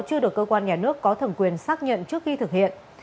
chưa được cơ quan nhà nước có thẩm quyền xác nhận trước khi thực hiện